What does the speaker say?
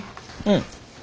うん。